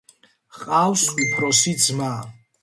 ჰყავს უფროსი ძმა.